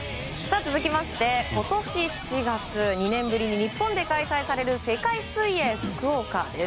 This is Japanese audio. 続きまして、今年７月２年ぶりに日本で開催される世界水泳福岡です。